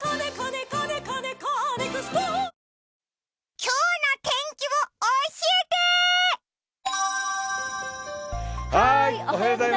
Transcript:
今日の天気を教えて。